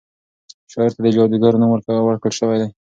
شاعر ته د جادوګر نوم ورکړل شوی دی.